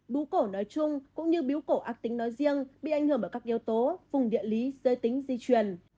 bíu cổ nói chung cũng như bíu cổ ác tính nói riêng bị ảnh hưởng bởi các yếu tố vùng địa lý dơi tính di truyền